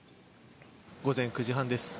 午前９時半です。